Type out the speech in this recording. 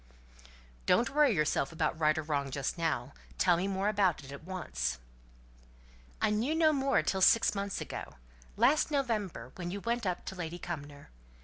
"Don't worry yourself about right or wrong just now; tell me more about it, at once." "I knew no more till six months ago last November, when you went up to Lady Cumnor.